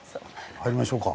入りましょうか。